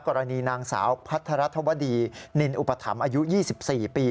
กรณีนางสาวพัทรธวดีนินอุปถัมภ์อายุ๒๔ปี